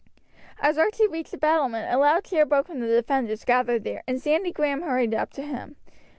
As Archie reached the battlement a loud cheer broke from the defenders gathered there, and Sandy Grahame hurried up to him.